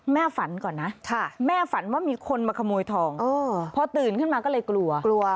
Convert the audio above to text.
ฝันก่อนนะแม่ฝันว่ามีคนมาขโมยทองพอตื่นขึ้นมาก็เลยกลัวกลัว